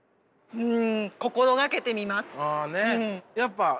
うん。